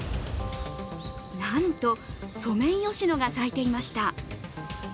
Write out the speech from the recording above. なんとソメイヨシノが咲いていました。